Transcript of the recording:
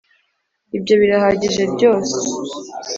ibyo birahagijeryose?